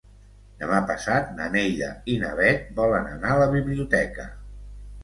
Demà passat na Neida i na Bet volen anar a la biblioteca.